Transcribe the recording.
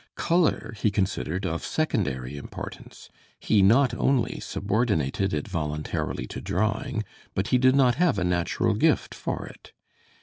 Color he considered of secondary importance; he not only subordinated it voluntarily to drawing, but he did not have a natural gift for it.